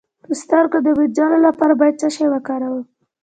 د سترګو د مینځلو لپاره باید څه شی وکاروم؟